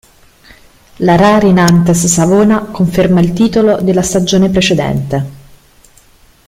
La Rari Nantes Savona conferma il titolo della stagione precedente.